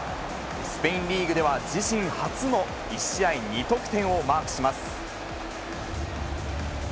スペインリーグでは自身初の１試合２得点をマークします。